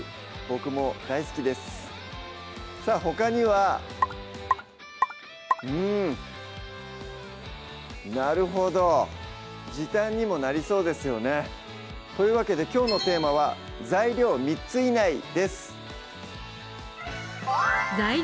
僕も大好きですさぁほかにはうんなるほど時短にもなりそうですよねというわけできょうのテーマは「材料３つ以内！」です